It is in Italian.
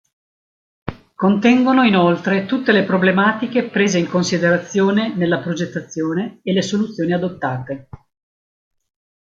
Contengono, inoltre, tutte le problematiche prese in considerazione nella progettazione e le soluzioni adottate.